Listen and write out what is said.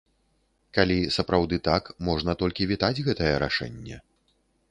Калі сапраўды так, можна толькі вітаць гэтае рашэнне.